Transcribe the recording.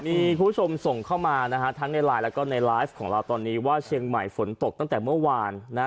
มีคุณผู้ชมส่งเข้ามานะฮะทั้งในไลน์แล้วก็ในไลฟ์ของเราตอนนี้ว่าเชียงใหม่ฝนตกตั้งแต่เมื่อวานนะ